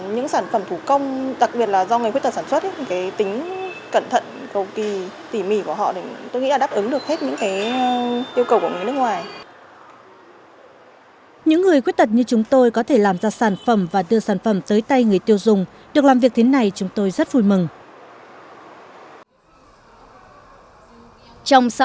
những người khuyết tật như chúng tôi có thể làm ra sản phẩm và đưa sản phẩm tới tay người tiêu dùng được làm việc thế này chúng tôi rất vui mừng